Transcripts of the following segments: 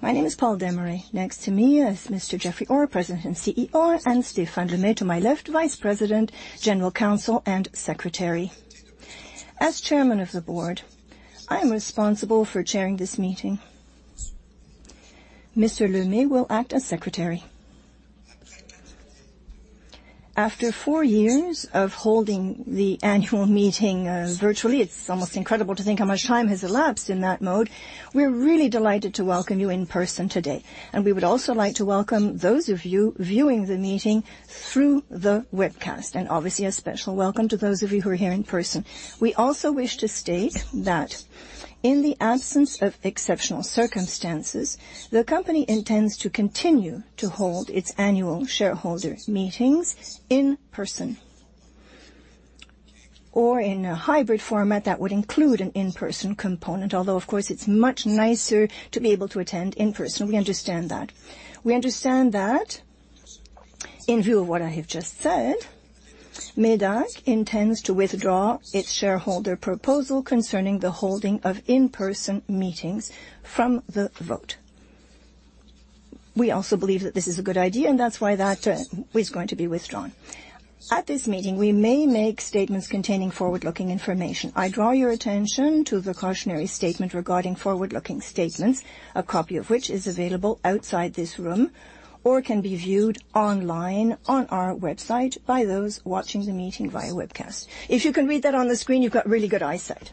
My name is Paul Desmarais, Jr. Next to me are Mr. Jeffrey Orr, President and CEO, and Stéphane Lemay, to my left, Vice President, General Counsel, and Secretary. As Chairman of the Board, I am responsible for chairing this meeting. Mr. Lemay will act as Secretary. After four years of holding the annual meeting, virtually, it's almost incredible to think how much time has elapsed in that mode. We're really delighted to welcome you in person today. We would also like to welcome those of you viewing the meeting through the webcast, and obviously a special welcome to those of you who are here in person. We also wish to state that, in the absence of exceptional circumstances, the company intends to continue to hold its annual shareholder meetings in person. Or in a hybrid format that would include an in-person component, although, of course, it's much nicer to be able to attend in person. We understand that. We understand that, in view of what I have just said, MEDAC intends to withdraw its shareholder proposal concerning the holding of in-person meetings from the vote. We also believe that this is a good idea, and that's why that, is going to be withdrawn. At this meeting, we may make statements containing forward-looking information. I draw your attention to the cautionary statement regarding forward-looking statements, a copy of which is available outside this room or can be viewed online on our website by those watching the meeting via webcast. If you can read that on the screen, you've got really good eyesight.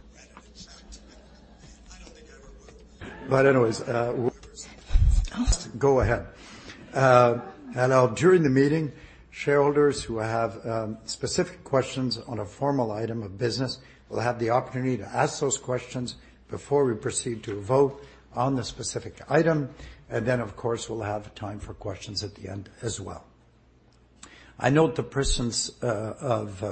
But anyways, Oh. Go ahead, and during the meeting, shareholders who have specific questions on a formal item of business will have the opportunity to ask those questions before we proceed to vote on the specific item, and then, of course, we'll have time for questions at the end as well. I note the persons of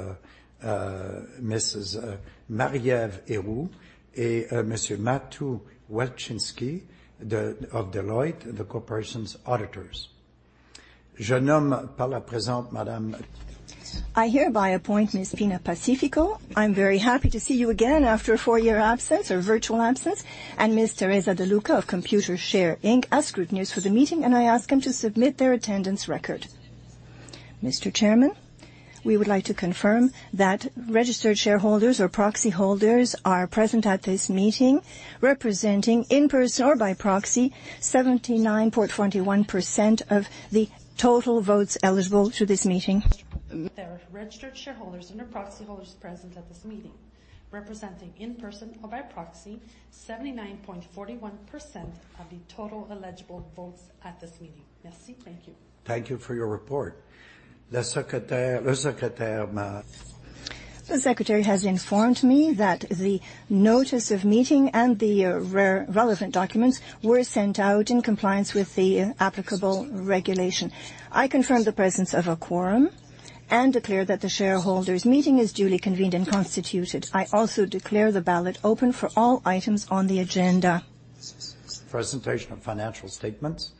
Mrs. Marie-Eve Héroux and Mr. Matthieu Welczynski of Deloitte, the corporation's auditors. Je nomme par la présente Madame. I hereby appoint Ms. Pina Pacifico. I'm very happy to see you again after a four-year absence, or virtual absence, and Ms. Teresa De Luca of Computershare as scrutineers for the meeting, and I ask them to submit their attendance record. Mr. Chairman, we would like to confirm that registered shareholders or proxy holders are present at this meeting, representing in person or by proxy 79.41% of the total votes eligible through this meeting. There are registered shareholders and/or proxy holders present at this meeting, representing in person or by proxy 79.41% of the total eligible votes at this meeting. Merci. Thank you. Thank you for your report. Le secrétaire, le secrétaire. The secretary has informed me that the notice of meeting and the relevant documents were sent out in compliance with the applicable regulation. I confirm the presence of a quorum and declare that the shareholders' meeting is duly convened and constituted. I also declare the ballot open for all items on the agenda. Presentation of financial statements.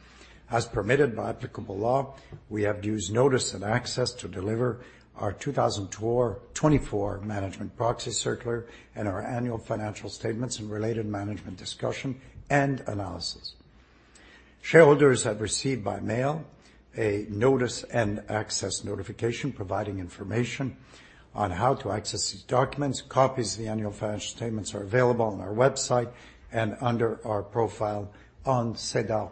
As permitted by applicable law, we have used Notice and Access to deliver our 2024 management proxy circular and our annual financial statements and related management discussion and analysis. Shareholders have received by mail a Notice and Access notification providing information on how to access these documents. Copies of the annual financial statements are available on our website and under our profile on SEDAR+.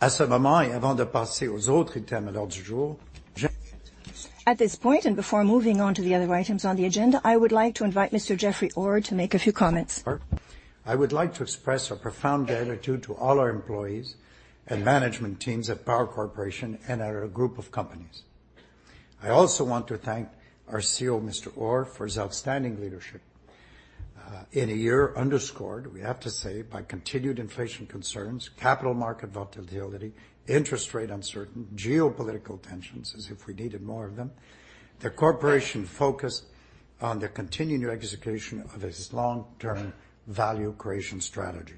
À ce moment-là, avant de passer aux autres items à l'ordre du jour, je. At this point, and before moving on to the other items on the agenda, I would like to invite Mr. Jeffrey Orr to make a few comments. I would like to express a profound gratitude to all our employees and management teams at Empower Corporation and at our group of companies. I also want to thank our CEO, Mr. Orr, for his outstanding leadership, in a year underscored, we have to say, by continued inflation concerns, capital market volatility, interest rate uncertainty, geopolitical tensions, as if we needed more of them, the corporation focused on the continued execution of its long-term value creation strategy.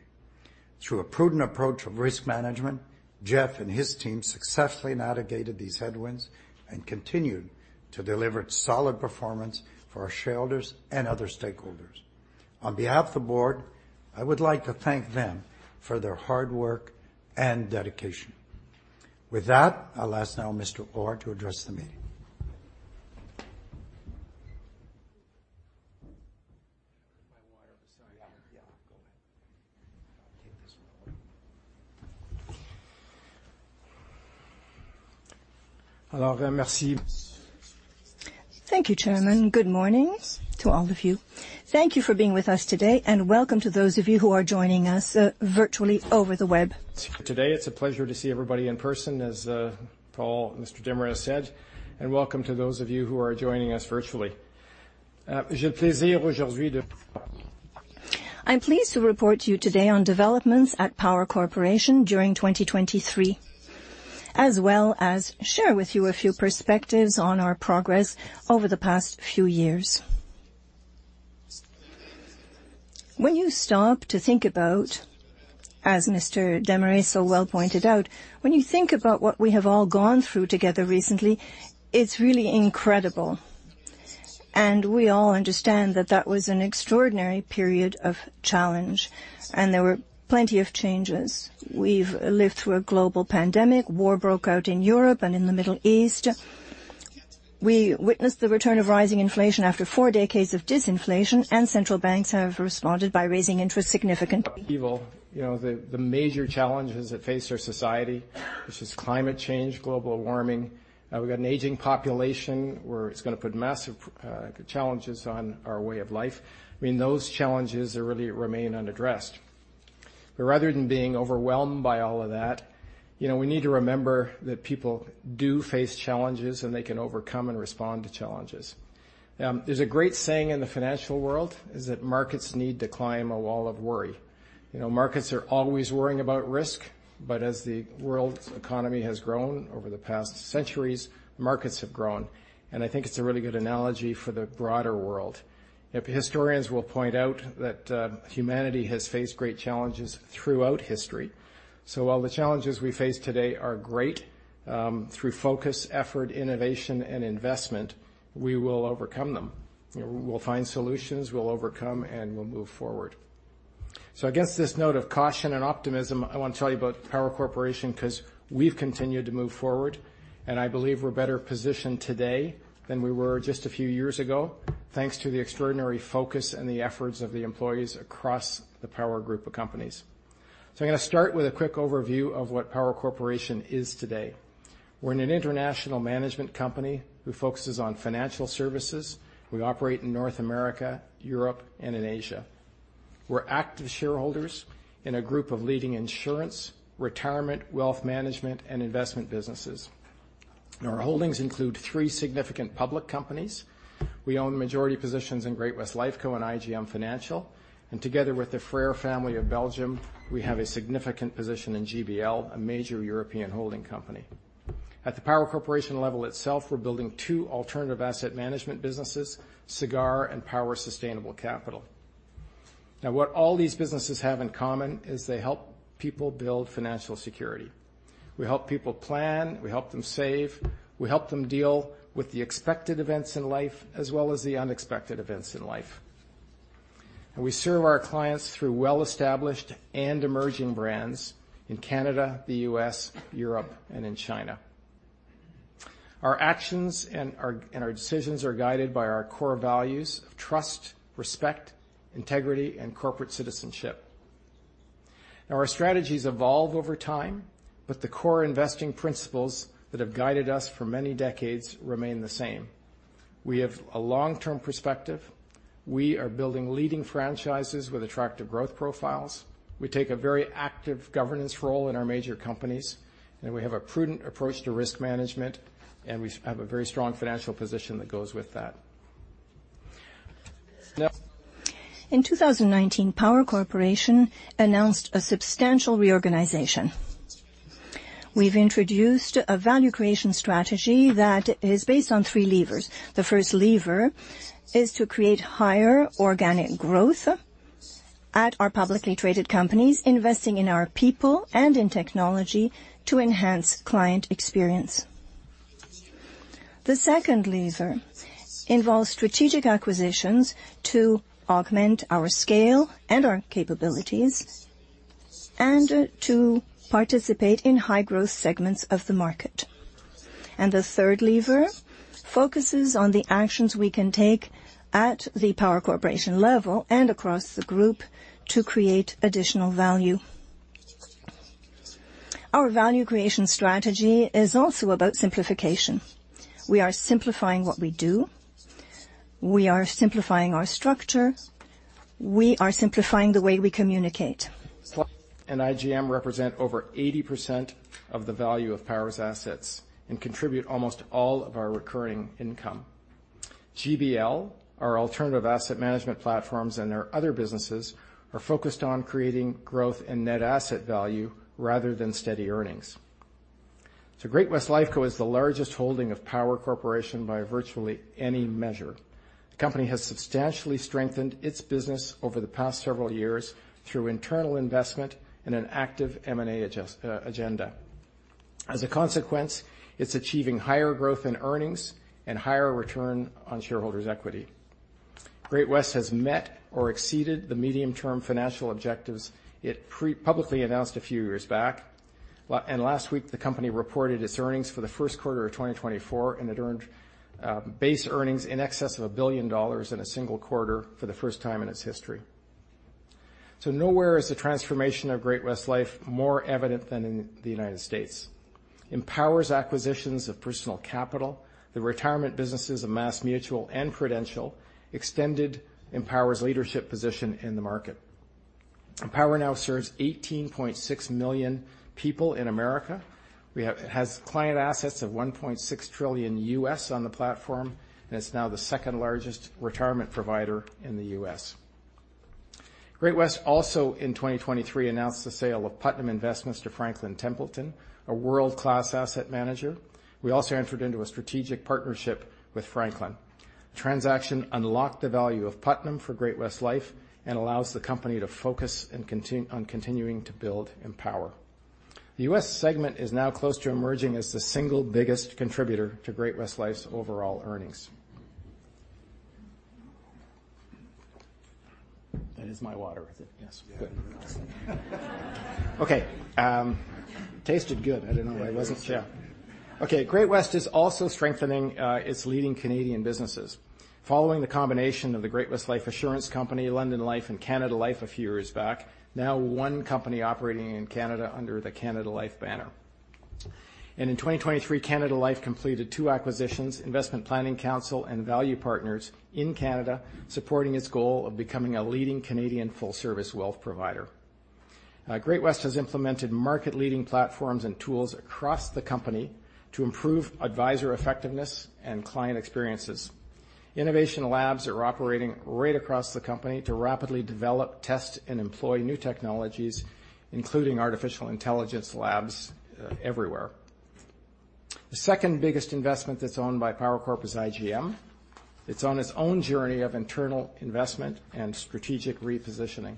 Through a prudent approach of risk management, Jeff and his team successfully navigated these headwinds and continued to deliver solid performance for our shareholders and other stakeholders. On behalf of the board, I would like to thank them for their hard work and dedication. With that, I'll ask now Mr. Orr to address the meeting. My wire up the side here. Yeah, yeah. Go ahead. Take this one. Alors, merci. Thank you, Chairman. Good morning to all of you. Thank you for being with us today, and welcome to those of you who are joining us, virtually over the web. Today, it's a pleasure to see everybody in person, as Paul and Mr. Desmarais have said, and welcome to those of you who are joining us virtually. J'ai le plaisir aujourd'hui de. I'm pleased to report to you today on developments at Power Corporation during 2023, as well as share with you a few perspectives on our progress over the past few years. When you stop to think about, as Mr. Desmarais so well pointed out, when you think about what we have all gone through together recently, it's really incredible. We all understand that that was an extraordinary period of challenge, and there were plenty of changes. We've lived through a global pandemic. War broke out in Europe and in the Middle East. We witnessed the return of rising inflation after four decades of disinflation, and central banks have responded by raising interest significantly. Well, you know, the major challenges that face our society, which is climate change, global warming. We've got an aging population where it's gonna put massive challenges on our way of life. I mean, those challenges really remain unaddressed. But rather than being overwhelmed by all of that, you know, we need to remember that people do face challenges, and they can overcome and respond to challenges. There's a great saying in the financial world is that markets need to climb a wall of worry. You know, markets are always worrying about risk, but as the world's economy has grown over the past centuries, markets have grown. And I think it's a really good analogy for the broader world. Historians will point out that humanity has faced great challenges throughout history. So while the challenges we face today are great, through focus, effort, innovation, and investment, we will overcome them. You know, we'll find solutions, we'll overcome, and we'll move forward. So against this note of caution and optimism, I wanna tell you about Power Corporation 'cause we've continued to move forward, and I believe we're better positioned today than we were just a few years ago, thanks to the extraordinary focus and the efforts of the employees across the Power Group of companies. So I'm gonna start with a quick overview of what Power Corporation is today. We're an international management company who focuses on financial services. We operate in North America, Europe, and in Asia. We're active shareholders in a group of leading insurance, retirement, wealth management, and investment businesses. Our holdings include three significant public companies. We own majority positions in Great-West Lifeco and IGM Financial. Together with the Frère family of Belgium, we have a significant position in GBL, a major European holding company. At the Power Corporation level itself, we're building two alternative asset management businesses, Sagard and Power Sustainable. Now, what all these businesses have in common is they help people build financial security. We help people plan, we help them save, we help them deal with the expected events in life as well as the unexpected events in life. And we serve our clients through well-established and emerging brands in Canada, the U.S., Europe, and in China. Our actions and our decisions are guided by our core values of trust, respect, integrity, and corporate citizenship. Now, our strategies evolve over time, but the core investing principles that have guided us for many decades remain the same. We have a long-term perspective. We are building leading franchises with attractive growth profiles. We take a very active governance role in our major companies, and we have a prudent approach to risk management, and we have a very strong financial position that goes with that. In 2019, Power Corporation announced a substantial reorganization. We've introduced a value creation strategy that is based on three levers. The first lever is to create higher organic growth at our publicly traded companies, investing in our people and in technology to enhance client experience. The second lever involves strategic acquisitions to augment our scale and our capabilities and, to participate in high-growth segments of the market. The third lever focuses on the actions we can take at the Power Corporation level and across the group to create additional value. Our value creation strategy is also about simplification. We are simplifying what we do. We are simplifying our structure. We are simplifying the way we communicate. IGM represents over 80% of the value of Power's assets and contributes almost all of our recurring income. GBL, our alternative asset management platforms and their other businesses, are focused on creating growth and net asset value rather than steady earnings. So Great-West Lifeco is the largest holding of Power Corporation by virtually any measure. The company has substantially strengthened its business over the past several years through internal investment and an active M&A agenda. As a consequence, it's achieving higher growth in earnings and higher return on shareholders' equity. Great-West Lifeco has met or exceeded the medium-term financial objectives it publicly announced a few years back. And last week, the company reported its earnings for the first quarter of 2024, and it earned base earnings in excess of 1 billion dollars in a single quarter for the first time in its history. So nowhere is the transformation of Great-West Lifeco more evident than in the United States. Empower's acquisitions of Personal Capital, the retirement businesses of MassMutual and Prudential extended in Power's leadership position in the market. Power now serves 18.6 million people in America. It has client assets of $1.6 trillion on the platform, and it's now the second-largest retirement provider in the U.S. Great-West Lifeco also, in 2023, announced the sale of Putnam Investments to Franklin Templeton, a world-class asset manager. We also entered into a strategic partnership with Franklin. The transaction unlocked the value of Putnam for Great-West Lifeco and allows the company to focus and continuing to build in Power. The U.S. segment is now close to emerging as the single biggest contributor to Great-West Lifeco's overall earnings. That is my water, is it? Yes. Good. Awesome. Okay. Tasted good. I don't know. I wasn't. Yeah. Yeah. Okay. Great-West is also strengthening its leading Canadian businesses, following the combination of the Great-West Life Assurance Company, London Life, and Canada Life a few years back, now one company operating in Canada under the Canada Life banner. And in 2023, Canada Life completed two acquisitions, Investment Planning Council and Value Partners, in Canada, supporting its goal of becoming a leading Canadian full-service wealth provider. Great-West has implemented market-leading platforms and tools across the company to improve advisor effectiveness and client experiences. Innovation labs are operating right across the company to rapidly develop, test, and employ new technologies, including artificial intelligence labs, everywhere. The second-biggest investment that's owned by Power Corporation is IGM. It's on its own journey of internal investment and strategic repositioning.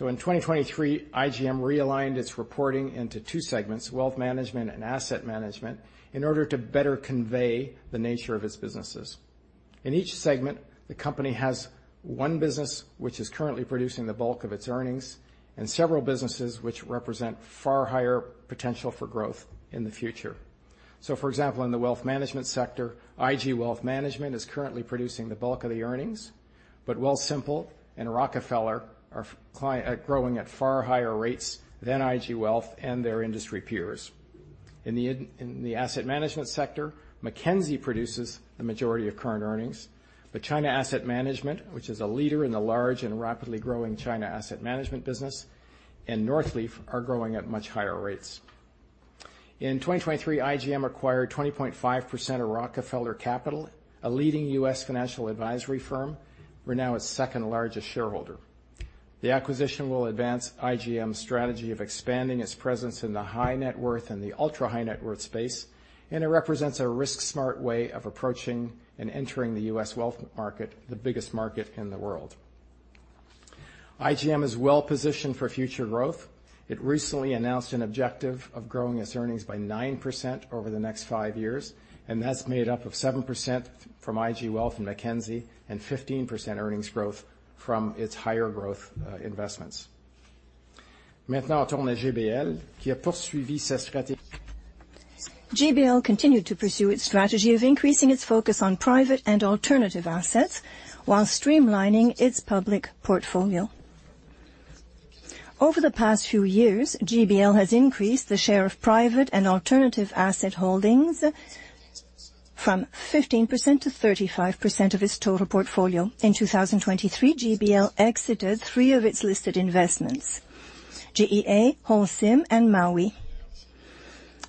In 2023, IGM realigned its reporting into two segments, wealth management and asset management, in order to better convey the nature of its businesses. In each segment, the company has one business which is currently producing the bulk of its earnings and several businesses which represent far higher potential for growth in the future. For example, in the wealth management sector, IG Wealth Management is currently producing the bulk of the earnings, but Wealthsimple and Rockefeller are growing at far higher rates than IG Wealth and their industry peers. In the asset management sector, Mackenzie produces the majority of current earnings, but China Asset Management, which is a leader in the large and rapidly growing China Asset Management business, and Northleaf are growing at much higher rates. In 2023, IGM acquired 20.5% of Rockefeller Capital, a leading U.S. financial advisory firm. We're now its second-largest shareholder. The acquisition will advance IGM's strategy of expanding its presence in the high net worth and the ultra-high net worth space, and it represents a risk-smart way of approaching and entering the US wealth market, the biggest market in the world. IGM is well positioned for future growth. It recently announced an objective of growing its earnings by 9% over the next five years, and that's made up of 7% from IG Wealth and Mackenzie and 15% earnings growth from its higher growth investments. Maintenant, on tourne à GBL, qui a poursuivi sa stratégie. GBL continued to pursue its strategy of increasing its focus on private and alternative assets while streamlining its public portfolio. Over the past few years, GBL has increased the share of private and alternative asset holdings from 15%-35% of its total portfolio. In 2023, GBL exited three of its listed investments: GEA Group, Holcim, and Mowi.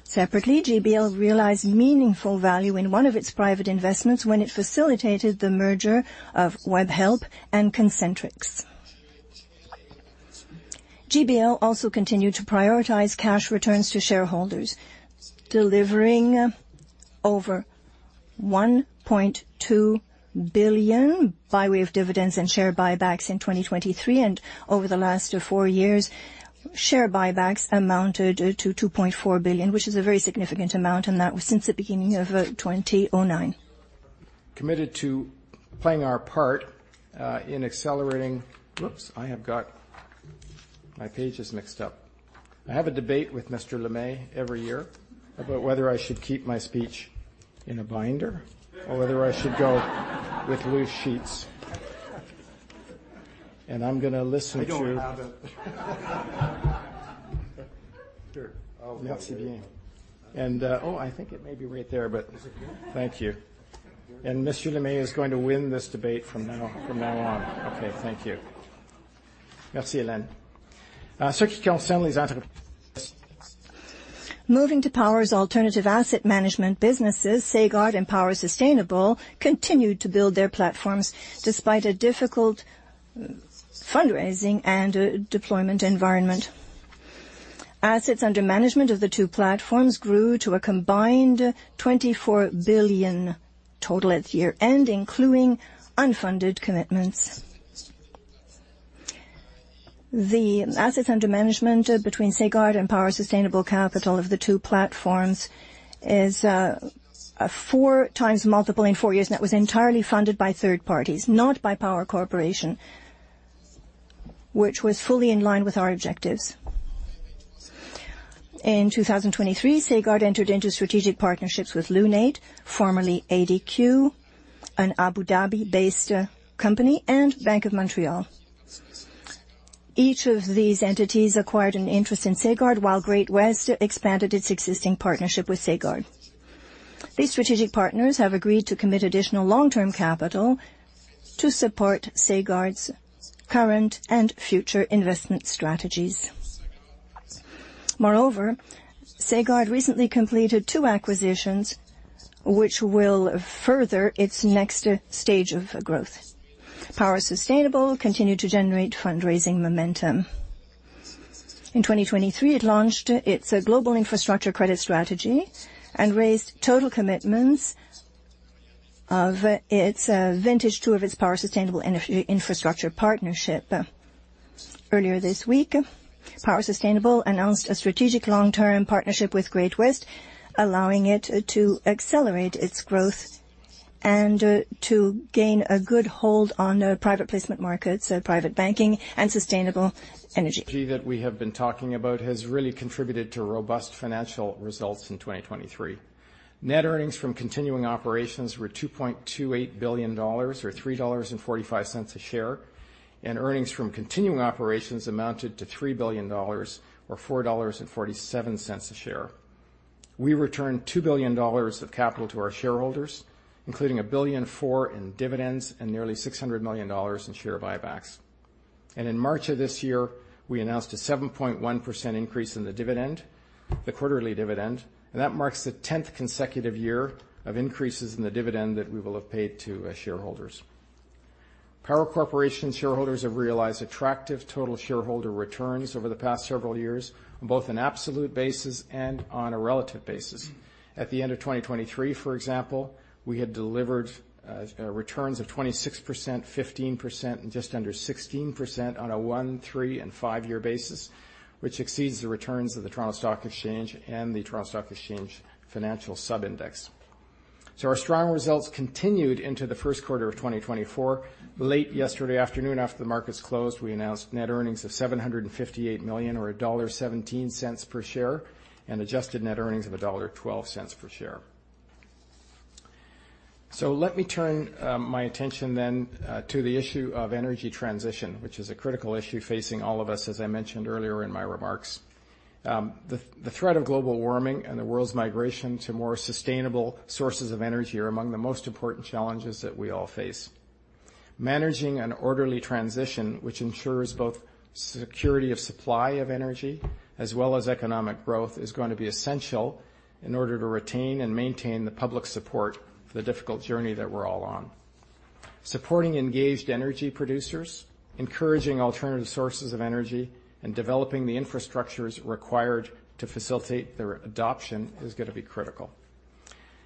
Separately, GBL realized meaningful value in one of its private investments when it facilitated the merger of Webhelp and Concentrix. GBL also continued to prioritize cash returns to shareholders, delivering over 1.2 billion by way of dividends and share buybacks in 2023. Over the last four years, share buybacks amounted to 2.4 billion, which is a very significant amount, and that was since the beginning of 2009. Committed to playing our part in accelerating—whoops, I have got my page is mixed up. I have a debate with Mr. Lemay every year about whether I should keep my speech in a binder or whether I should go with loose sheets. And I'm gonna listen to. I don't have it. Here. Oh, wait. Merci bien. Oh, I think it may be right there, but. Is it here? Thank you. And Mr. Lemay is going to win this debate from now on. Okay. Thank you. Merci, Hélène. Ce qui concerne les entreprises. Moving to Power's alternative asset management businesses, Sagard and Power Sustainable continued to build their platforms despite a difficult fundraising and deployment environment. Assets under management of the two platforms grew to a combined 24 billion total at year-end, including unfunded commitments. The assets under management between Sagard and Power Sustainable Capital of the two platforms is a 4x multiple in four years, and that was entirely funded by third parties, not by Power Corporation, which was fully in line with our objectives. In 2023, Sagard entered into strategic partnerships with Lunate, formerly ADQ, an Abu Dhabi-based company, and Bank of Montreal. Each of these entities acquired an interest in Sagard while Great-West expanded its existing partnership with Sagard. These strategic partners have agreed to commit additional long-term capital to support Sagard's current and future investment strategies. Moreover, Sagard recently completed two acquisitions, which will further its next stage of growth. Power Sustainable continued to generate fundraising momentum. In 2023, it launched its Global Infrastructure Credit Strategy and raised total commitments of its vintage two of its Power Sustainable Energy Infrastructure partnership. Earlier this week, Power Sustainable announced a strategic long-term partnership with Great-West, allowing it to accelerate its growth and to gain a good hold on private placement markets, private banking, and sustainable energy. Energy that we have been talking about has really contributed to robust financial results in 2023. Net earnings from continuing operations were 2.28 billion dollars or 3.45 dollars a share, and earnings from continuing operations amounted to 3 billion dollars or 4.47 dollars a share. We returned 2 billion dollars of capital to our shareholders, including 1.4 billion in dividends and nearly 600 million dollars in share buybacks. In March of this year, we announced a 7.1% increase in the dividend, the quarterly dividend, and that marks the 10th consecutive year of increases in the dividend that we will have paid to shareholders. Power Corporation shareholders have realized attractive total shareholder returns over the past several years, both on absolute basis and on a relative basis. At the end of 2023, for example, we had delivered strong returns of 26%, 15%, and just under 16% on a one-, three-, and five-year basis, which exceeds the returns of the Toronto Stock Exchange and the Toronto Stock Exchange Financial Subindex. Our strong results continued into the first quarter of 2024. Late yesterday afternoon, after the markets closed, we announced net earnings of 758 million or dollar 1.17 per share and adjusted net earnings of dollar 1.12 per share. Let me turn my attention then to the issue of energy transition, which is a critical issue facing all of us, as I mentioned earlier in my remarks. The threat of global warming and the world's migration to more sustainable sources of energy are among the most important challenges that we all face. Managing an orderly transition, which ensures both security of supply of energy as well as economic growth, is going to be essential in order to retain and maintain the public support for the difficult journey that we're all on. Supporting engaged energy producers, encouraging alternative sources of energy, and developing the infrastructures required to facilitate their adoption is gonna be critical.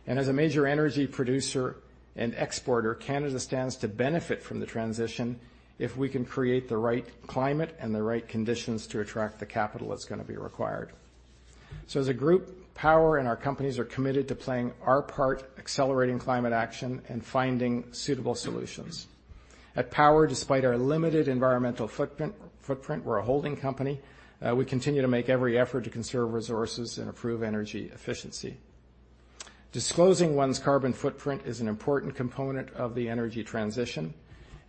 As a major energy producer and exporter, Canada stands to benefit from the transition if we can create the right climate and the right conditions to attract the capital that's gonna be required. As a group, Power and our companies are committed to playing our part accelerating climate action and finding suitable solutions. At Power, despite our limited environmental footprint, we're a holding company. We continue to make every effort to conserve resources and improve energy efficiency. Disclosing one's carbon footprint is an important component of the energy transition.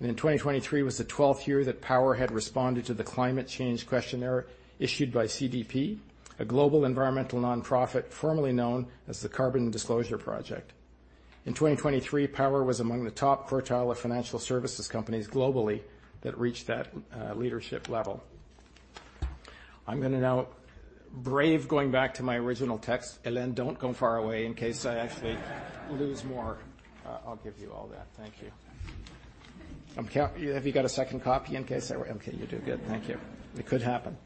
In 2023 was the 12th year that Power had responded to the Climate Change Questionnaire issued by CDP, a global environmental nonprofit formerly known as the Carbon Disclosure Project. In 2023, Power was among the top quartile of financial services companies globally that reached that leadership level. I'm gonna now brave going back to my original text. Hélène, don't go far away in case I actually lose more. I'll give you all that. Thank you. Have you got a second copy in case I err, okay. You do. Good. Thank you. It could happen.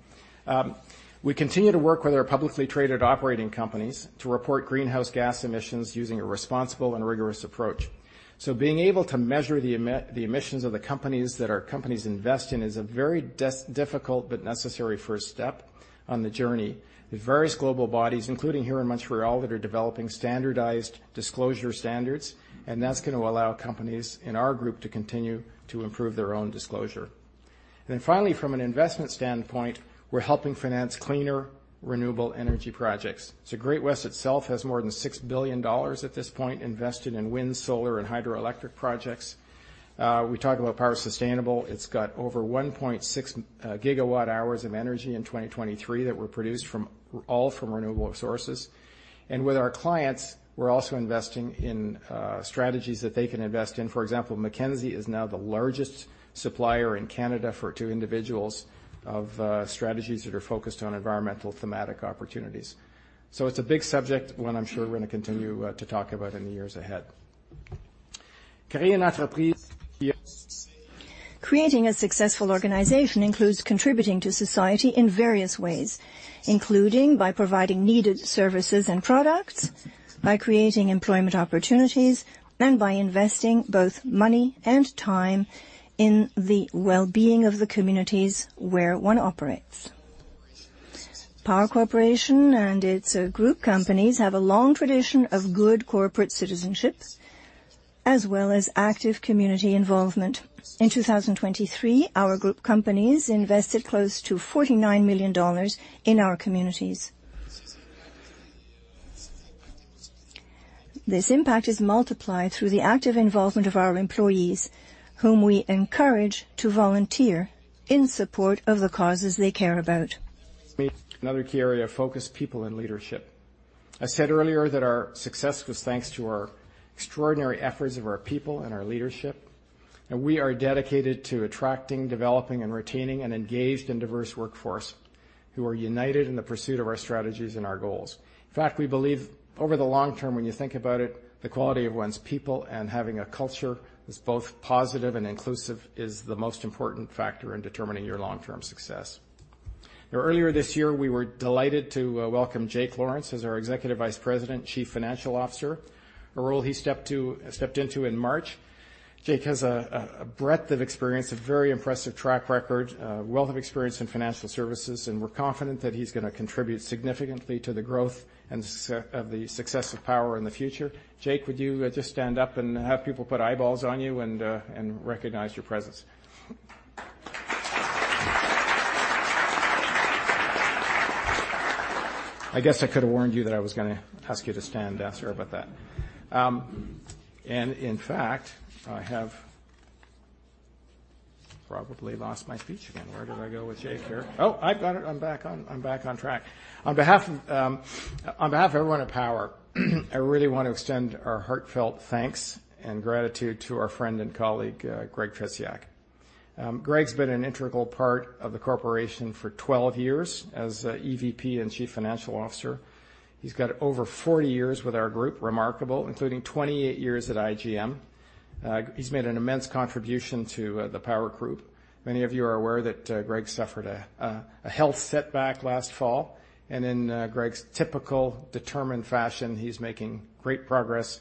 We continue to work with our publicly traded operating companies to report greenhouse gas emissions using a responsible and rigorous approach. So being able to measure the emissions of the companies that our companies invest in is a very difficult but necessary first step on the journey. There's various global bodies, including here in Montreal, that are developing standardized disclosure standards, and that's gonna allow companies in our group to continue to improve their own disclosure. And then finally, from an investment standpoint, we're helping finance cleaner, renewable energy projects. So Great-West itself has more than $6 billion at this point invested in wind, solar, and hydroelectric projects. We talk about Power Sustainable. It's got over 1.6 million GWh of energy in 2023 that were produced from all renewable sources. And with our clients, we're also investing in strategies that they can invest in. For example, Mackenzie is now the largest supplier in Canada for two individuals of strategies that are focused on environmental thematic opportunities. So it's a big subject one I'm sure we're gonna continue to talk about in the years ahead. Créer une entreprise. Creating a successful organization includes contributing to society in various ways, including by providing needed services and products, by creating employment opportunities, and by investing both money and time in the well-being of the communities where one operates. Power Corporation and its group companies have a long tradition of good corporate citizenship as well as active community involvement. In 2023, our group companies invested close to 49 million dollars in our communities. This impact is multiplied through the active involvement of our employees, whom we encourage to volunteer in support of the causes they care about. Another key area of focus, people and leadership. I said earlier that our success was thanks to our extraordinary efforts of our people and our leadership, and we are dedicated to attracting, developing, and retaining an engaged and diverse workforce who are united in the pursuit of our strategies and our goals. In fact, we believe over the long term, when you think about it, the quality of one's people and having a culture that's both positive and inclusive is the most important factor in determining your long-term success. Now, earlier this year, we were delighted to welcome Jake Lawrence as our Executive Vice-President and Chief Financial Officer, a role he stepped into in March. Jake has a breadth of experience, a very impressive track record, wealth of experience in financial services, and we're confident that he's gonna contribute significantly to the growth and success of Power in the future. Jake, would you just stand up and have people put eyeballs on you and recognize your presence? I guess I could have warned you that I was gonna ask you to stand. Ask her about that. In fact, I have probably lost my speech again. Where did I go with Jake here? Oh, I've got it. I'm back on track. On behalf of everyone at Power, I really wanna extend our heartfelt thanks and gratitude to our friend and colleague, Greg Tretiak. Greg's been an integral part of the corporation for 12 years as EVP and Chief Financial Officer. He's got over 40 years with our group, remarkable, including 28 years at IGM. He's made an immense contribution to the Power Group. Many of you are aware that Greg suffered a health setback last fall. And in Greg's typical determined fashion, he's making great progress.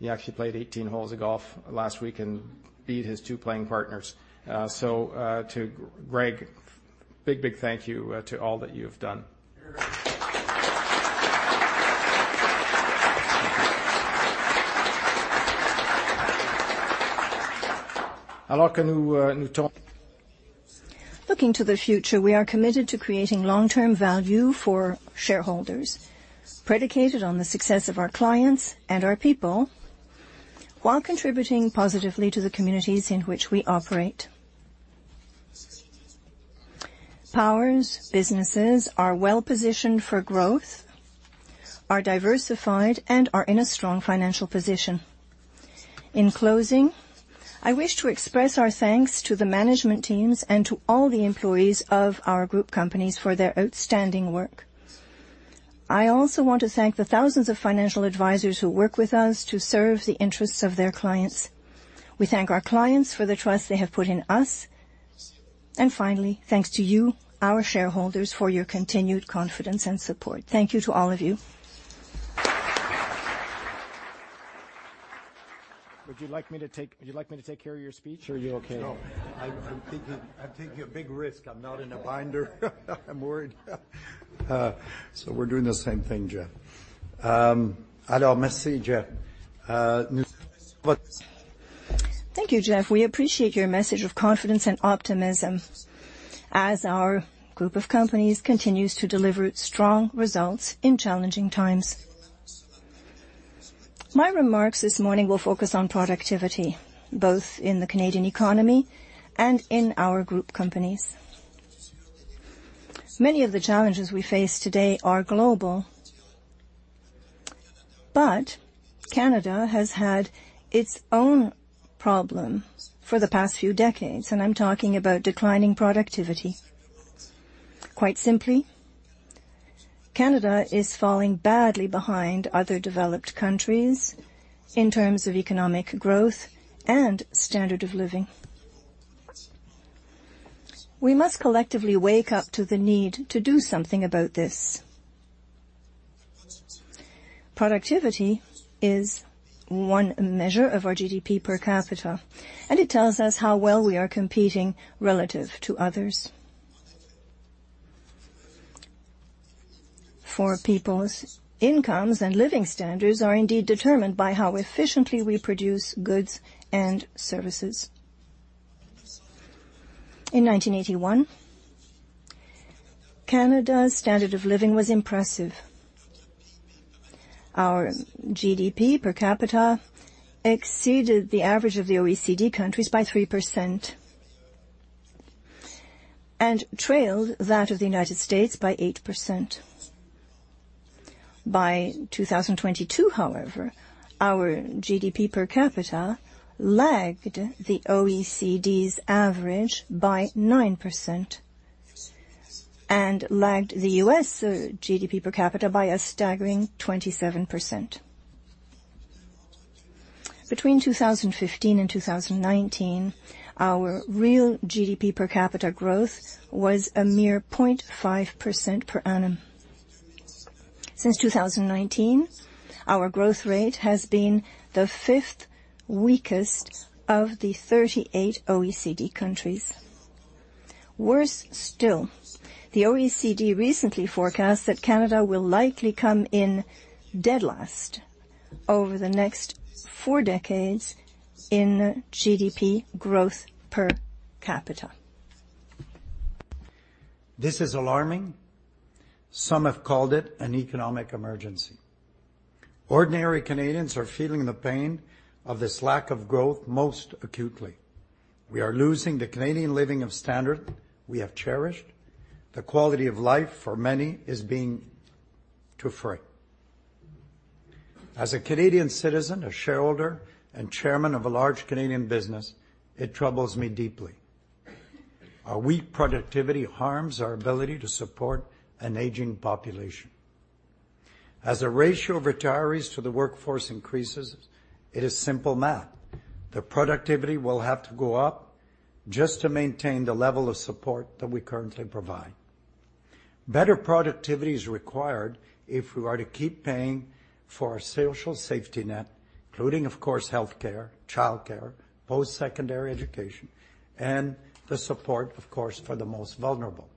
He actually played 18 holes of golf last week and beat his two playing partners. So, to Greg, a big, big thank you to all that you have done. Alors, que nous nous t. Looking to the future, we are committed to creating long-term value for shareholders, predicated on the success of our clients and our people while contributing positively to the communities in which we operate. Power's businesses are well-positioned for growth, are diversified, and are in a strong financial position. In closing, I wish to express our thanks to the management teams and to all the employees of our group companies for their outstanding work. I also want to thank the thousands of financial advisors who work with us to serve the interests of their clients. We thank our clients for the trust they have put in us. Finally, thanks to you, our shareholders, for your continued confidence and support. Thank you to all of you. Would you like me to take care of your speech? Sure, you're okay. No. I'm taking a big risk. I'm not in a binder. I'm worried. So we're doing the same thing, Jeff. Alors, merci, Jeff. Nous avons votre message. Thank you, Jeff. We appreciate your message of confidence and optimism as our group of companies continues to deliver strong results in challenging times. My remarks this morning will focus on productivity, both in the Canadian economy and in our group companies. Many of the challenges we face today are global, but Canada has had its own problem for the past few decades, and I'm talking about declining productivity. Quite simply, Canada is falling badly behind other developed countries in terms of economic growth and standard of living. We must collectively wake up to the need to do something about this. Productivity is one measure of our GDP per capita, and it tells us how well we are competing relative to others. For people's incomes and living standards are indeed determined by how efficiently we produce goods and services. In 1981, Canada's standard of living was impressive. Our GDP per capita exceeded the average of the OECD countries by 3% and trailed that of the United States by 8%. By 2022, however, our GDP per capita lagged the OECD's average by 9% and lagged the U.S. GDP per capita by a staggering 27%. Between 2015 and 2019, our real GDP per capita growth was a mere 0.5% per annum. Since 2019, our growth rate has been the fifth weakest of the 38 OECD countries. Worse still, the OECD recently forecast that Canada will likely come in dead last over the next four decades in GDP growth per capita. This is alarming. Some have called it an economic emergency. Ordinary Canadians are feeling the pain of this lack of growth most acutely. We are losing the Canadian standard of living we have cherished. The quality of life for many is being eroded. As a Canadian citizen, a shareholder, and chairman of a large Canadian business, it troubles me deeply. Our weak productivity harms our ability to support an aging population. As the ratio of retirees to the workforce increases, it is simple math. The productivity will have to go up just to maintain the level of support that we currently provide. Better productivity is required if we are to keep paying for our social safety net, including, of course, healthcare, childcare, post-secondary education, and the support, of course, for the most vulnerable.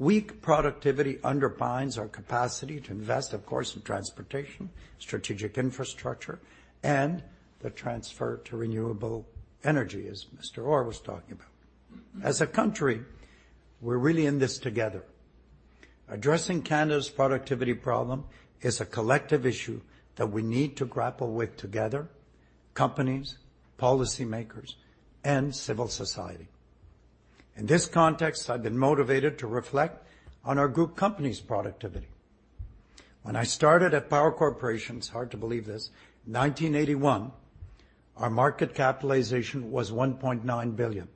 Weak productivity undermines our capacity to invest, of course, in transportation, strategic infrastructure, and the transfer to renewable energy, as Mr. Orr was talking about. As a country, we're really in this together. Addressing Canada's productivity problem is a collective issue that we need to grapple with together: companies, policymakers, and civil society. In this context, I've been motivated to reflect on our group company's productivity. When I started at Power Corporation—it's hard to believe this—in 1981, our market capitalization was 1.9 billion.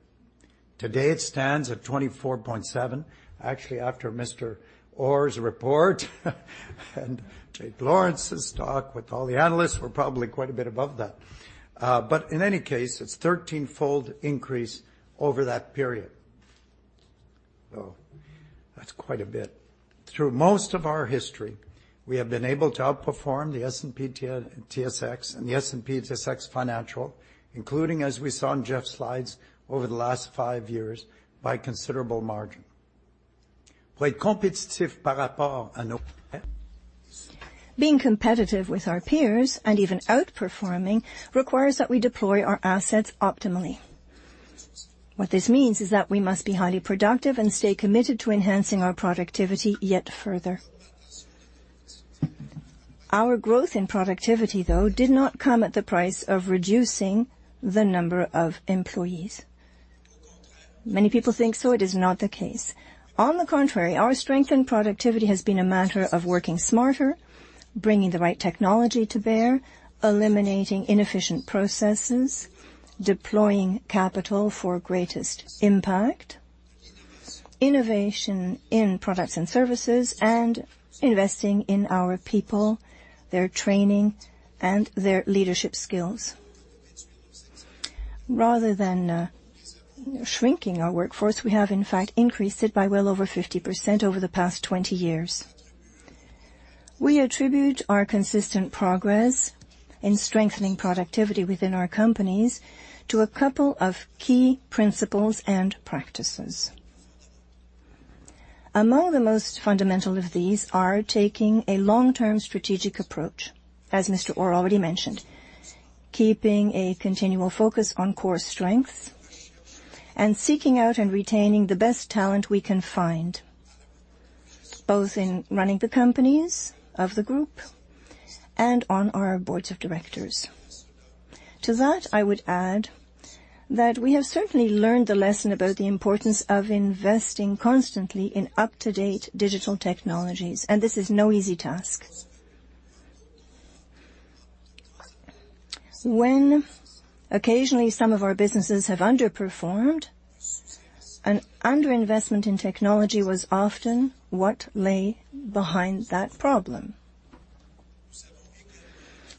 Today, it stands at 24.7 billion, actually after Mr. Orr's report and Jake Lawrence's talk with all the analysts. We're probably quite a bit above that. But in any case, it's a 13-fold increase over that period. So that's quite a bit. Through most of our history, we have been able to outperform the S&P````/TSX and the S&P/TSX Financial, including, as we saw in Jeff's slides, over the last five years by considerable margin. La compétition par rapport à nos pairs. Being competitive with our peers and even outperforming requires that we deploy our assets optimally. What this means is that we must be highly productive and stay committed to enhancing our productivity yet further. Our growth in productivity, though, did not come at the price of reducing the number of employees. Many people think so. It is not the case. On the contrary, our strength in productivity has been a matter of working smarter, bringing the right technology to bear, eliminating inefficient processes, deploying capital for greatest impact, innovation in products and services, and investing in our people, their training, and their leadership skills. Rather than shrinking our workforce, we have, in fact, increased it by well over 50% over the past 20 years. We attribute our consistent progress in strengthening productivity within our companies to a couple of key principles and practices. Among the most fundamental of these are taking a long-term strategic approach, as Mr. Orr already mentioned, keeping a continual focus on core strengths, and seeking out and retaining the best talent we can find, both in running the companies, of the group, and on our boards of directors. To that, I would add that we have certainly learned the lesson about the importance of investing constantly in up-to-date digital technologies, and this is no easy task. When occasionally some of our businesses have underperformed, an underinvestment in technology was often what lay behind that problem.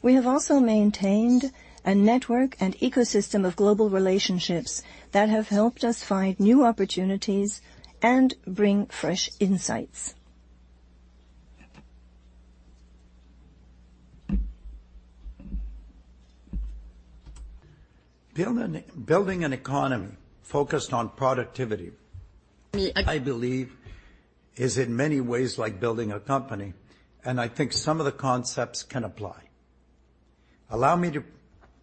We have also maintained a network and ecosystem of global relationships that have helped us find new opportunities and bring fresh insights. Building an economy focused on productivity, I believe, is in many ways like building a company, and I think some of the concepts can apply. Allow me to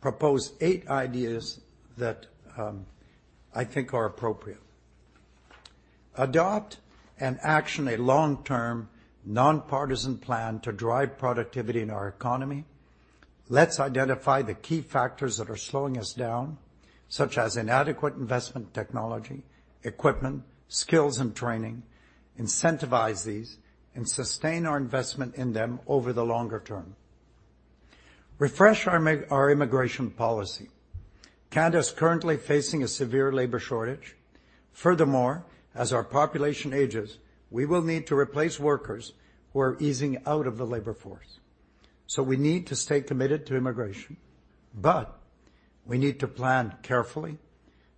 propose eight ideas that, I think are appropriate. Adopt and action a long-term nonpartisan plan to drive productivity in our economy. Let's identify the key factors that are slowing us down, such as inadequate investment in technology, equipment, skills, and training, incentivize these, and sustain our investment in them over the longer term. Refresh our immigration policy. Canada's currently facing a severe labor shortage. Furthermore, as our population ages, we will need to replace workers who are easing out of the labor force. So we need to stay committed to immigration, but we need to plan carefully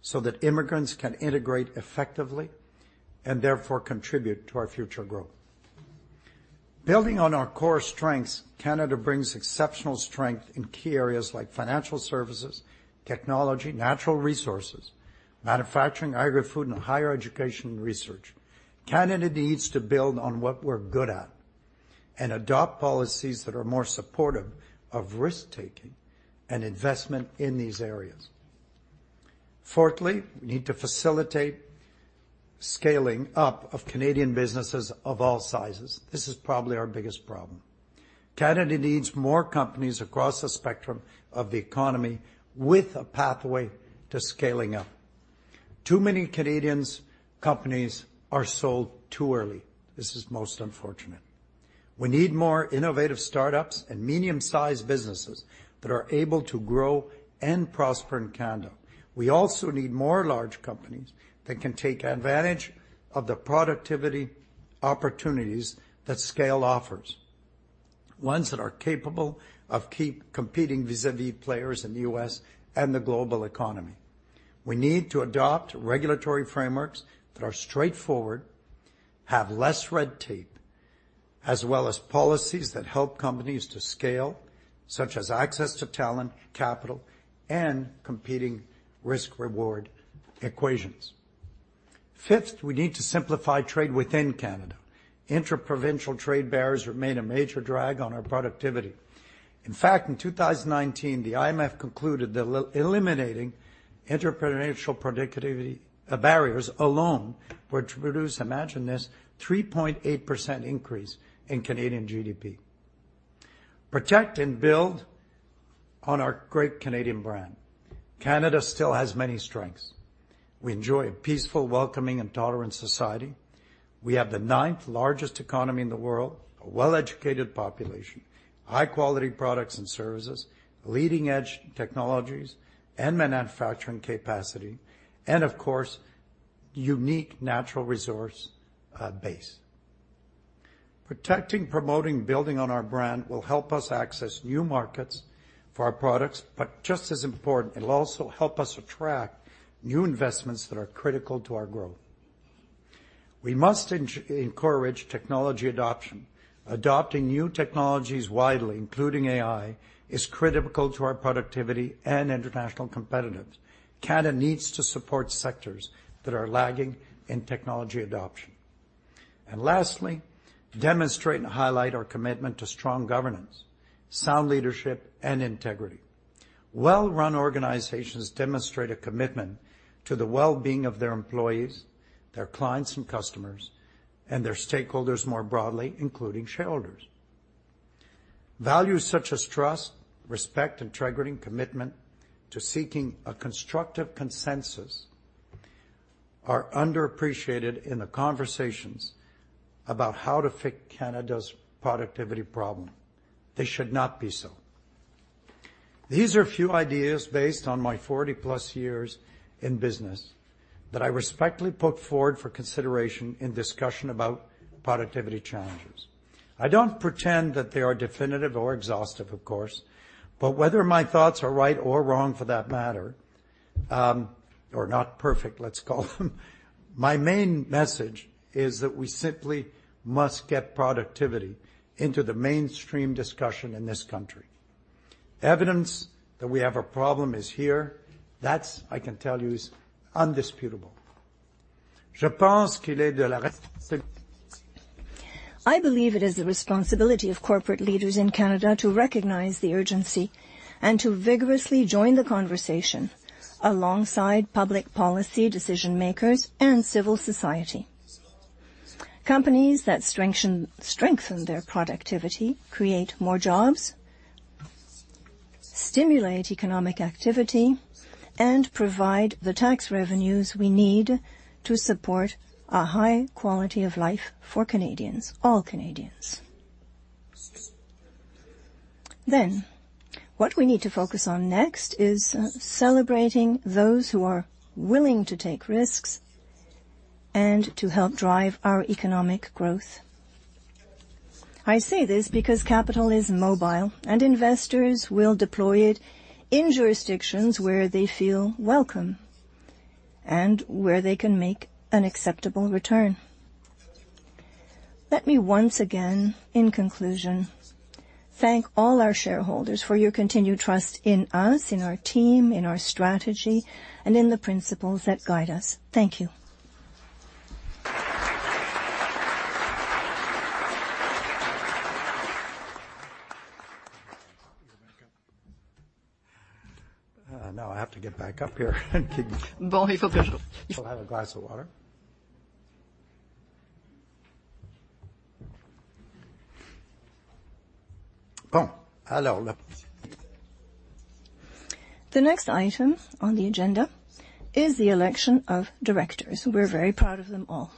so that immigrants can integrate effectively and therefore contribute to our future growth. Building on our core strengths, Canada brings exceptional strength in key areas like financial services, technology, natural resources, manufacturing, agrifood, and higher education and research. Canada needs to build on what we're good at and adopt policies that are more supportive of risk-taking and investment in these areas. Fourthly, we need to facilitate scaling up of Canadian businesses of all sizes. This is probably our biggest problem. Canada needs more companies across the spectrum of the economy with a pathway to scaling up. Too many Canadian companies are sold too early. This is most unfortunate. We need more innovative startups and medium-sized businesses that are able to grow and prosper in Canada. We also need more large companies that can take advantage of the productivity opportunities that scale offers, ones that are capable of keep competing vis-à-vis players in the U.S. and the global economy. We need to adopt regulatory frameworks that are straightforward, have less red tape, as well as policies that help companies to scale, such as access to talent, capital, and competing risk-reward equations. Fifth, we need to simplify trade within Canada. Interprovincial trade barriers remain a major drag on our productivity. In fact, in 2019, the IMF concluded that eliminating interprovincial productivity barriers alone would produce, imagine this, a 3.8% increase in Canadian GDP. Protect and build on our great Canadian brand. Canada still has many strengths. We enjoy a peaceful, welcoming, and tolerant society. We have the ninth-largest economy in the world, a well-educated population, high-quality products and services, leading-edge technologies, and manufacturing capacity, and, of course, a unique natural resource base. Protecting, promoting, and building on our brand will help us access new markets for our products, but just as important, it'll also help us attract new investments that are critical to our growth. We must encourage technology adoption. Adopting new technologies widely, including AI, is critical to our productivity and international competitiveness. Canada needs to support sectors that are lagging in technology adoption. And lastly, demonstrate and highlight our commitment to strong governance, sound leadership, and integrity. Well-run organizations demonstrate a commitment to the well-being of their employees, their clients and customers, and their stakeholders more broadly, including shareholders. Values such as trust, respect, integrity, and commitment to seeking a constructive consensus are underappreciated in the conversations about how to fix Canada's productivity problem. They should not be so. These are a few ideas based on my 40+ years in business that I respectfully put forward for consideration in discussion about productivity challenges. I don't pretend that they are definitive or exhaustive, of course, but whether my thoughts are right or wrong for that matter, or not perfect, let's call them, my main message is that we simply must get productivity into the mainstream discussion in this country. Evidence that we have a problem is here. That's, I can tell you, is indisputable. Je pense qu'il est de la responsabilité. I believe it is the responsibility of corporate leaders in Canada to recognize the urgency and to vigorously join the conversation alongside public policy decision-makers and civil society. Companies that strengthen their productivity create more jobs, stimulate economic activity, and provide the tax revenues we need to support a high quality of life for Canadians, all Canadians. Then what we need to focus on next is celebrating those who are willing to take risks and to help drive our economic growth. I say this because capital is mobile, and investors will deploy it in jurisdictions where they feel welcome and where they can make an acceptable return. Let me once again, in conclusion, thank all our shareholders for your continued trust in us, in our team, in our strategy, and in the principles that guide us. Thank you. You're back up. No, I have to get back up here and kick. Bon, il faut que je. Have a glass of water. Bon, alors, la. The next item on the agenda is the election of directors. We're very proud of them all.